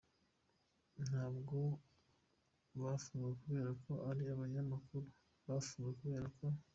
"Ntabwo bafunzwe kubera ko ari abanyamakuru, bafunzwe kubera ko.